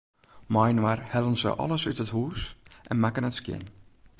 Mei-inoar hellen se alles út it hûs en makken it skjin.